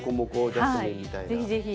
ジャスミンみたいな。